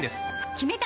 決めた！